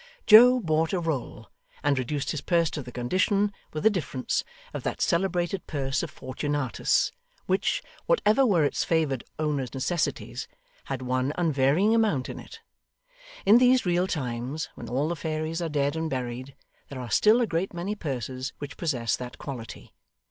Joe bought a roll, and reduced his purse to the condition (with a difference) of that celebrated purse of Fortunatus, which, whatever were its favoured owner's necessities, had one unvarying amount in it. In these real times, when all the Fairies are dead and buried, there are still a great many purses which possess that quality.